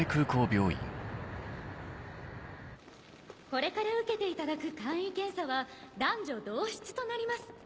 これから受けていただく簡易検査は男女同室となります。